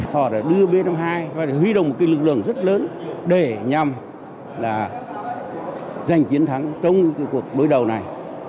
họ đã đưa b năm mươi hai và huy động một lực lượng rất lớn để nhằm giành chiến thắng trong cuộc đối đầu này